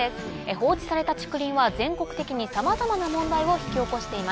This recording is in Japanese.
放置された竹林は全国的にさまざまな問題を引き起こしています。